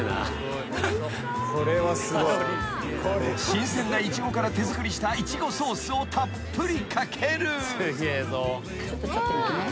［新鮮なイチゴから手作りしたイチゴソースをたっぷりかける］